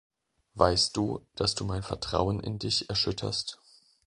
Weißt du, dass du mein Vertrauen in dich erschütterst?